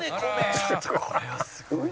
「ちょっとこれはすごいな」